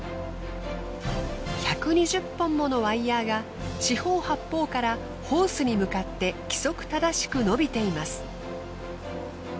１２０本ものワイヤーが四方八方からホースに向かって規則正しく伸びています。